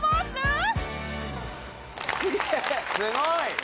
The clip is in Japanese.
すごい！